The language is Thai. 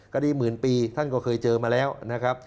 คดีหมื่นปีท่านก็เคยเจอมาแล้วนะครับ